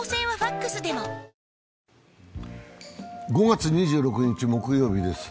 ５月２６日、木曜日です。